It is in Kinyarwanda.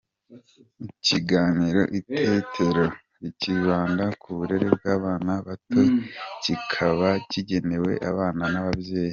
Ikiganiro Itetero kibanda ku burere bw’abana bato kikaba kigenewe abana n’ababyeyi.